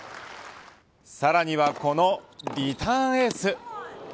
さらにはこのリターンエース。